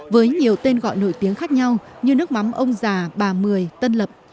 với nhiều tên gọi nổi tiếng khác nhau như nước mắm ông già bà mười tân lập